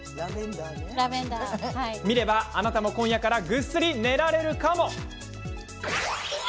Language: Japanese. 見れば、あなたも今夜からぐっすり寝られるかも。